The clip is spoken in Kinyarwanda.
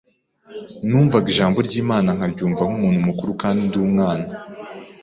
Numvaga ijambo ry’Imana nkaryumva nk’umuntu mukuru kandi ndi umwana